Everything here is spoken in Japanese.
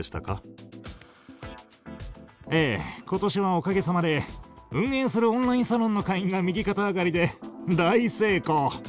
ええ今年はおかげさまで運営するオンラインサロンの会員が右肩上がりで大成功。